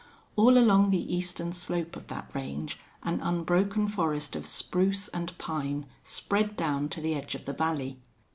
All along the eastern slope of that range an unbroken forest of spruce and pine spread down to the edge of the valley.